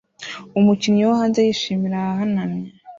Umukinyi wo hanze yishimira ahahanamye